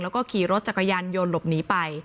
แล้วก็ขี่รถจักรยานยนต์หลบหนีไป